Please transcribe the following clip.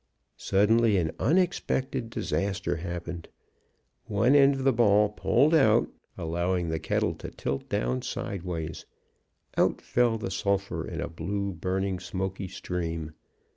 "Suddenly an unexpected disaster happened. One end of the bail pulled out, allowing the kettle to tilt down sidewise. Out fell the sulphur in a blue burning, smoky stream.